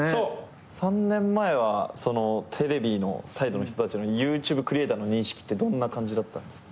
３年前はテレビサイドの人たちのＹｏｕＴｕｂｅクリエイターの認識ってどんな感じだったんですか？